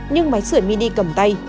nhưng máy sửa mini cầm tay